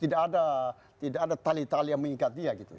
tidak ada tidak ada tali tali yang mengikat dia gitu